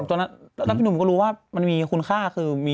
แล้วพี่หนุ่มก็รู้ว่ามันมีคุณค่า